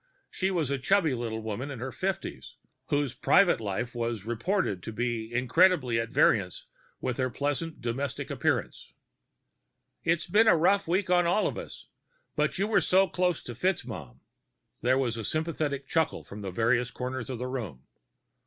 She was a chubby little woman in her fifties, whose private life was reported to be incredibly at variance with her pleasantly domestic appearance. "It's been rough on all of us, but you were so close to Mr. FitzMaugham...." There was sympathetic clucking from various corners of the room.